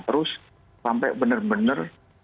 terus sampai benar benar